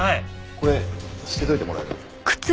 これ捨てといてもらえる？